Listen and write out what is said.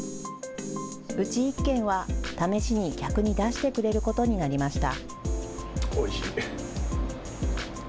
うち１軒は試しに客に出してくれることになりました。